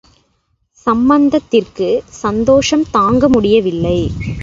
சம்பந்தத்திற்குச் சந்தோஷம் தாங்க முடியவில்லை.